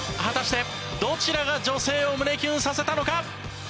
果たしてどちらが女性を胸キュンさせたのか？